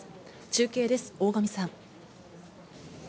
中継です、大神さん。